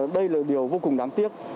đây là điều vô cùng đáng tiếc